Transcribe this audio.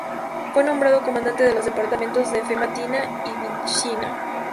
Fue nombrado comandante de los departamentos de Famatina y Vinchina.